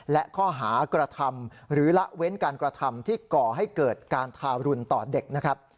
และข้อหากระทำหรือละเว้นการกระทำที่ก่อให้เกิดการทารุณต่อเด็กนะครับ